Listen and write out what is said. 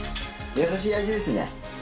優しい味ですね。